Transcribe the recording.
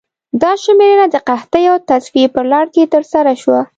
دا سرشمېرنه د قحطۍ او تصفیې په لړ کې ترسره شوه.